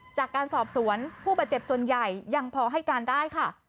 จากการสอบสวนผู้บาดเจ็บส่วนใหญ่ยังพอให้การได้ค่ะ